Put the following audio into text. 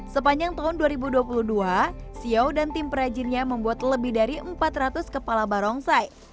sepanjang tahun dua ribu dua puluh dua xiao dan tim perajinnya membuat lebih dari empat ratus kepala barongsai